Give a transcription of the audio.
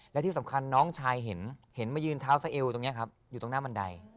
และที่สำคัญน้องชายเห็นมายืนเท้าสะเอวตรงนี้ครับอยู่ตรงหน้าบันได